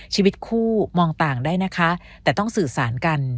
ชีวิตคู่มองต่างได้นะคะแต่ต้องสื่อสารกัน